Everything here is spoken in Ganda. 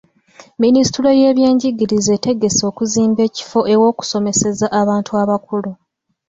Minisitule y'ebyenjigiriza etegese okuzimba ekifo ew'okusomeseza abantu abakulu.